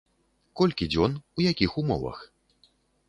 Колькі дзён, у якіх умовах?